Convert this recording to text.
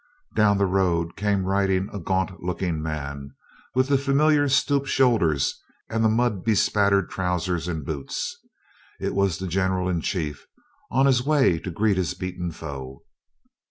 Down the road came riding a gaunt looking man, with the familiar stoop shoulders, and mud bespattered trousers and boots. It was the general in chief on his way to greet his beaten foe!